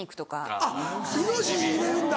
あっイノシシ入れるんだ。